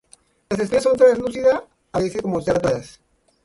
Las espinas son translúcida, a veces como cerdas doradas.